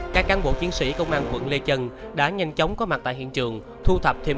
các cán bộ chiến sĩ công an quận lê chân đã nhanh chóng có mặt tại hiện trường thu thập thêm